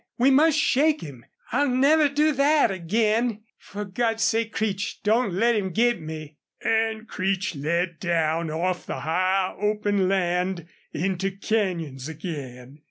We must shake him. I'll never do THAT again! ... For God's sake, Creech, don't let him get me!" And Creech led down off the high open land into canyons again.